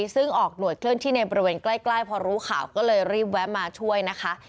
ซึ่งออกหน่วยเคลื่อนที่ในบริเวณใกล้พอรู้ข่าวก็เลยรีบแวะมาช่วยนะคะ